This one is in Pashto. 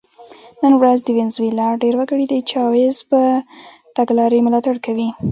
نن ورځ د وینزویلا ډېر وګړي د چاوېز د تګلارې ملاتړ کوي.